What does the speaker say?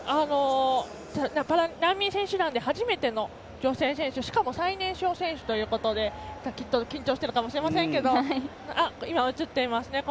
難民選手団で初めての女性選手しかも最年少選手ということできっと緊張しているかもしれませんが。